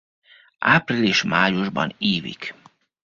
Április-májusban ívik.